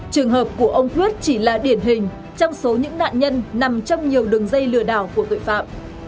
trường hợp của ông quyết chỉ là điển hình trong số những nạn nhân nằm trong nhiều đường dây lừa đảo của tội phạm